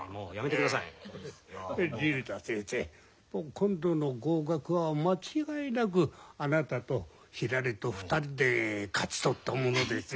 今度の合格は間違いなくあなたとひらりと２人で勝ち取ったものですよ。